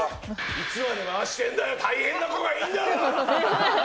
いつまで回してるんだよ、大変な子がいるんだから。